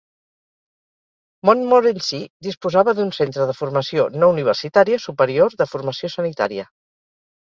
Montmorency disposava d'un centre de formació no universitària superior de formació sanitària.